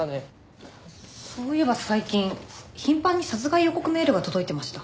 そういえば最近頻繁に殺害予告メールが届いてました。